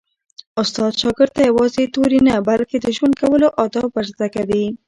استاد شاګرد ته یوازې توري نه، بلکي د ژوند کولو آداب ور زده کوي.